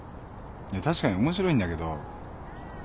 確かに面白いんだけど。